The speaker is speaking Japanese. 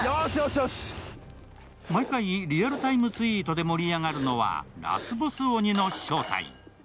毎回リアルタイムツイートで盛り上がるのはラスボス鬼の正体。